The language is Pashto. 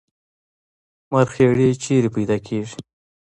مرخیړي چیرته پیدا کیږي؟